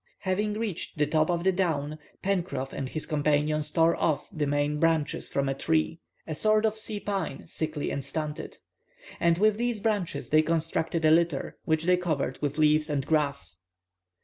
Having reached the top of the down, Pencroff and his companions tore off the main branches from a tree, a sort of sea pine, sickly and stunted. And with these branches they constructed a litter, which they covered with leaves and grass.